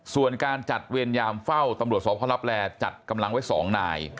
ส่วนการจัดเวรยามเฝ้าตำรวจสพลับแลจัดกำลังไว้๒นาย